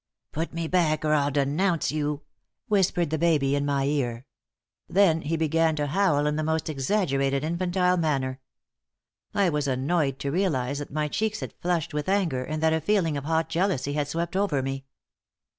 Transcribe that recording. "Put me back, or I'll denounce you," whispered the baby, in my ear. Then he began to howl in the most exaggerated infantile manner. I was annoyed to realize that my cheeks had flushed with anger and that a feeling of hot jealousy had swept over me.